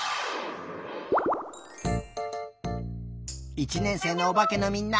１年生のおばけのみんな。